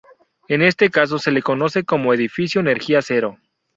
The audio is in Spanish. En este caso se lo conoce como Edificio energía cero.